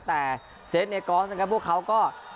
แต่เซฟเนกอสนะครับพวกเขาก็